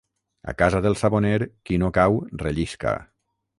A casa del saboner, qui no cau, rellisca.